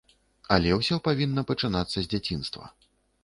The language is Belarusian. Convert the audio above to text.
Але ўсё павінна пачынацца з дзяцінства.